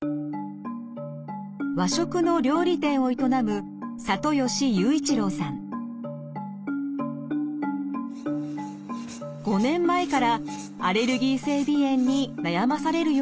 和食の料理店を営む５年前からアレルギー性鼻炎に悩まされるようになりました。